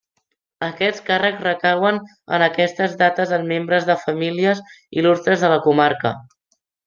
Aquests càrrecs recauen en aquestes dates en membres de famílies il·lustres de la comarca.